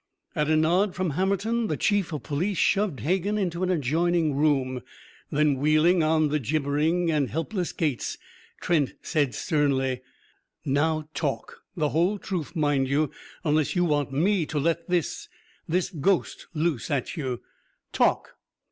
At a nod from Hammerton the chief of police shoved Hegan into an adjoining room. Then, wheeling on the gibbering and helpless Gates, Trent said sternly: "Now, talk! The whole truth, mind you, unless you want me to let this this ghost loose at you! _Talk!